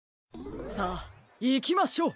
さあいきましょう！